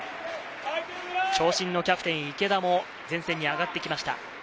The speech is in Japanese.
長身のキャプテン・池田も前線に上がってきました。